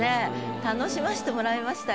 楽しませてもらいましたよ。